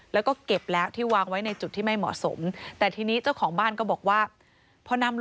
แล้วก็เก็บแล้วที่วางไว้ในจุดที่ไม่เหมาะสม